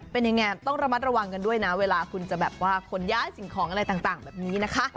เป็นยังไงต้องระมัดระวังกันด้วยนะเวลาคุณจะแบบว่าขนย้ายสิ่งของอะไรต่างแบบนี้นะคะ